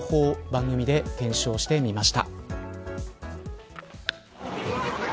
番組で検証してみました。